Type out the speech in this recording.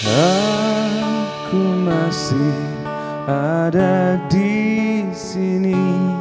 aku masih ada disini